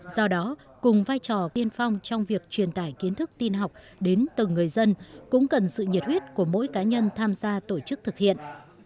do đó cùng vai trò tiên phong trong việc truyền tải kiến thức tin học đến từng người dân cũng cần sự nhiệt huyết của mỗi cá nhân tham gia tổ chức thực hiện